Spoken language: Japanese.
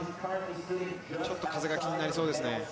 ちょっと風が気になりそうですね。